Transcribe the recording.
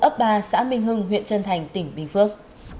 và xã minh hưng huyện trân thành tỉnh bình phước